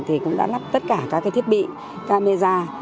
thì cũng đã lắp tất cả các thiết bị camera